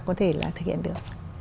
có thể là thực hiện được